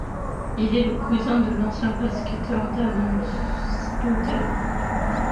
Il est le cousin de l'ancien basketteur Damon Stoudamire.